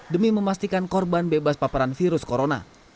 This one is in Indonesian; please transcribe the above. demi memastikan korban bebas paparan virus corona